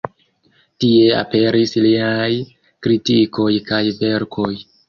Tie aperis liaj kritikoj kaj verkoj.